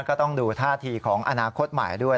ก็ต้องดูท่าทีของอนาคตใหม่ด้วย